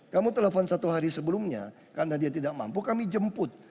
kamu telepon satu hari sebelumnya karena dia tidak mampu kami jemput